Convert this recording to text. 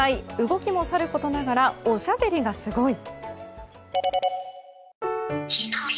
動きもさることながらおしゃべりがすごい！